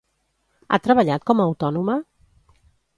Ha treballat com a autònoma?